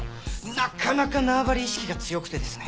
なかなか縄張り意識が強くてですね